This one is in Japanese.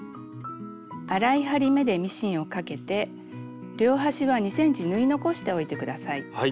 粗い針目でミシンをかけて両端は２ｃｍ縫い残しておいて下さい。